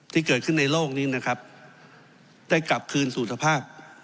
ที่เกิดขึ้นในโลกนี้นะครับได้กลับคืนสู่สภาพ